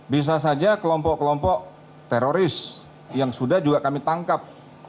bisa saja kelompok kelompok teroris yang sudah juga kami tangkap